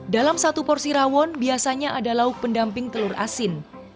dalam satu porsi rawon biasanya ada lauk pendamping telur asin